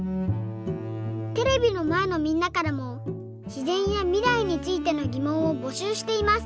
テレビのまえのみんなからもしぜんやみらいについてのぎもんをぼしゅうしています。